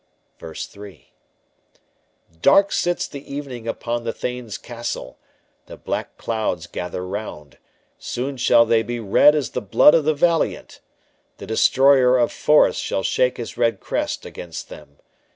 3. Dark sits the evening upon the thanes castle, The black clouds gather round; Soon shall they be red as the blood of the valiant! The destroyer of forests shall shake his red crest against them.